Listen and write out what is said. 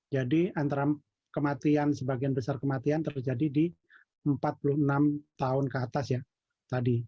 jadi antara kematian sebagian besar kematian terjadi di empat puluh enam tahun ke atas ya tadi